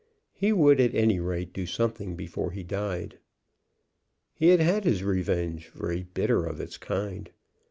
He would, at any rate, do something before he died. He had had his revenge, very bitter of its kind.